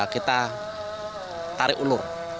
kita tarik ulur